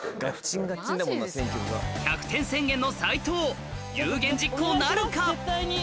１００点宣言の斎藤有言実行なるか？